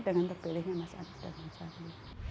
dengan terpilihnya mas anis dan mas andi